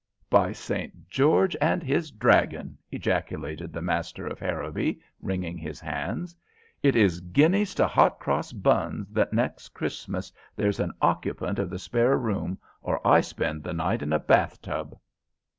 "By St. George and his Dragon!" ejaculated the master of Harrowby, wringing his hands. "It is guineas to hot cross buns that next Christmas there's an occupant of the spare room, or I spend the night in a bath tub."